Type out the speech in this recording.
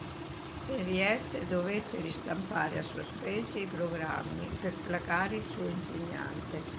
Henriette dovette ristampare a sue spese i programmi per placare il suo insegnante.